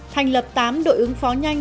thành lập tám đội ứng phó nhanh